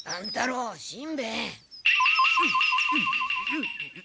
うん。